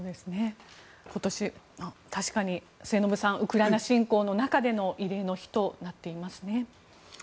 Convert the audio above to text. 今年確かに末延さんウクライナ侵攻の中での慰霊の日となっていますね。